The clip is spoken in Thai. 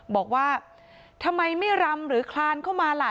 บอกว่าทำไมไม่รำหรือคลานเข้ามาล่ะ